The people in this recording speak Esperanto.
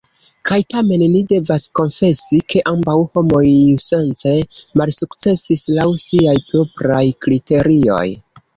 Kaj tamen ni devas konfesi, ke ambaŭ homoj iusence malsukcesis, laŭ siaj propraj kriterioj.